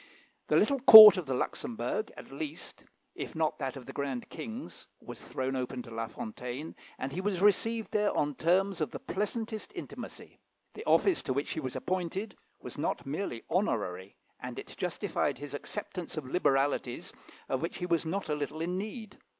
The little court of the Luxembourg, at least, if not that of the grand King's, was thrown open to La Fontaine, and he was received there on terms of the pleasantest intimacy. The office to which he was appointed was not merely honorary, and it justified his acceptance of liberalities of which he was not a little in need.